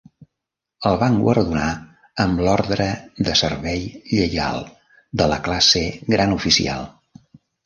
El van guardonar amb "l'Ordre de Servei Lleial" de la classe "Gran Oficial".